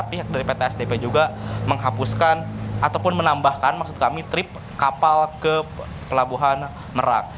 pihak dari pt sdp juga menghapuskan ataupun menambahkan maksud kami trip kapal ke pelabuhan merak